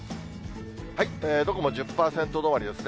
どこも１０％止まりですね。